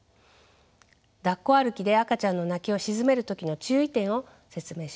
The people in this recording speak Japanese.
だっこ歩きで赤ちゃんの泣きを鎮める時の注意点を説明します。